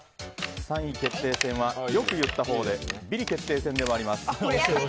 ３位決定戦は良く言ったほうでビリ決定戦でもあります。